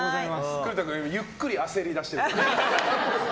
栗田君、今ゆっくり焦りだしてるから。